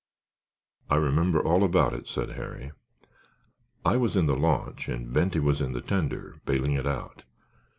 "I remember all about it," said Harry. "I was in the launch and Benty was in the tender, bailing it out.